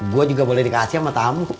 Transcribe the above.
gue juga boleh dikasih sama tamu